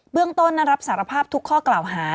เรื่องต้นนั้นรับสารภาพทุกข้อกล่าวหา